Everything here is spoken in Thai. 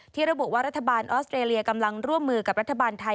ระบุว่ารัฐบาลออสเตรเลียกำลังร่วมมือกับรัฐบาลไทย